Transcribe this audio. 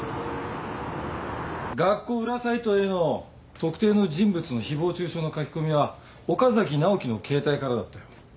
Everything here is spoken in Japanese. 学校裏サイトへの特定の人物の誹謗中傷の書き込みは岡崎直樹の携帯からだったよ。